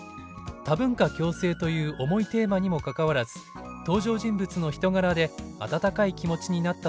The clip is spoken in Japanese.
多文化共生という重いテーマにもかかわらず登場人物の人柄で温かい気持ちになった」という意見がありました。